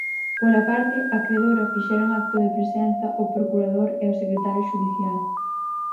Pola parte acredora fixeron acto de presenza o procurador e o secretario xudicial.